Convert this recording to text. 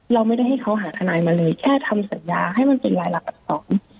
เราไม่ได้ให้เขาหาทนายมาเลยแค่ทำสัญญาให้มันเป็นรายลักษร